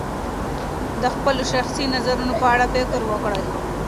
د خپلو شخصي نظرونو په اړه فکر وکړئ.